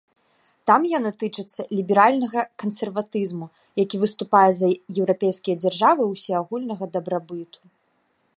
Там яно тычыцца ліберальнага кансерватызму, які выступае за еўрапейскія дзяржавы ўсеагульнага дабрабыту.